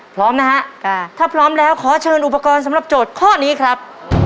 พร้อมนะฮะถ้าพร้อมแล้วขอเชิญอุปกรณ์สำหรับโจทย์ข้อนี้ครับ